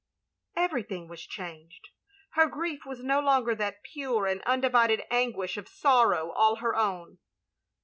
Everything was changed. Her grief was no longer that pure and undivided angtiish of sorrow all her own.